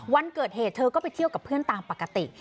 วันเกิดเหตุเธอก็ไปเที่ยวกับเพื่อนตามปกติ